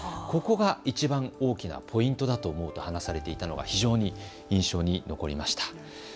ここがいちばん大きなポイントだと思うと話されていたのが非常に印象に残りました。